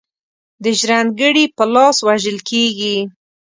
د ژرند ګړي په لاس وژل کیږي.